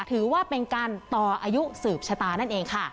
ถือว่าเป็นการต่ออายุสืบชะตานั่นเองค่ะ